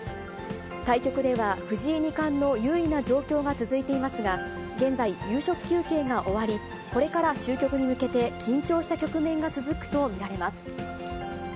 対局では、藤井二冠の優位な状況が続いていますが、現在、夕食休憩が終わり、これから終局に向けて、緊張した局面が続くと見られます。